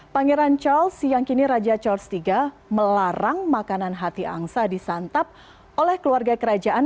pangeran charles yang kini raja charles iii melarang makanan hati angsa disantap oleh keluarga kerajaan